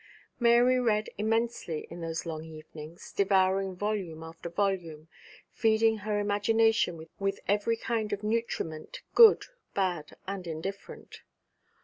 Mary read immensely in those long evenings, devouring volume after volume, feeding her imagination with every kind of nutriment, good, bad, and indifferent.